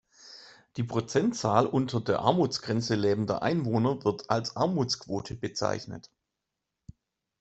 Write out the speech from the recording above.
Die Prozentzahl unter der Armutsgrenze lebender Einwohner wird als Armutsquote bezeichnet.